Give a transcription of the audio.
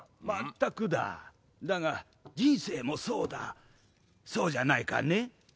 まったくだだが人生もそうだそうじゃないかね？